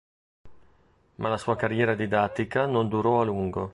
Ma la sua carriera didattica non durò a lungo.